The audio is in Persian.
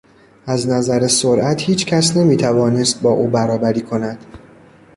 از نظر سرعت هیچ کس نمیتوانست با او برابری کند.